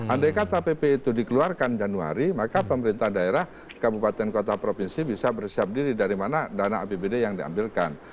andai kata pp itu dikeluarkan januari maka pemerintah daerah kabupaten kota provinsi bisa bersiap diri dari mana dana apbd yang diambilkan